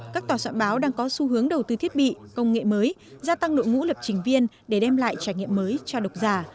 các tòa soạn báo đang có xu hướng đầu tư thiết bị công nghệ mới gia tăng đội ngũ lập trình viên để đem lại trải nghiệm mới cho độc giả